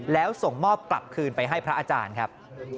แล้วส่งมอบกลับคืนไปให้พระอาจารย์ครับ